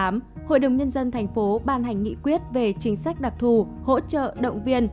nhân dân thành phố ban hành nghị quyết về chính sách đặc thù hỗ trợ động viên